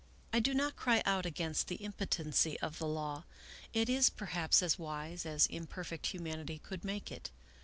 I do not cry out against the impotency of the law; it is perhaps as wise as imperfect humanity could make it.